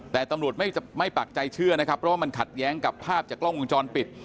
แต่ตำรวจไม่ปักใจเชื่อนะครับเพราะว่ามันขัดแย้งกับภาพจากกล้องวงจรปิด